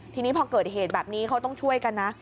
ทีนี้พอเกิดเหตุแบบนี้เขาต้องช่วยกันนะ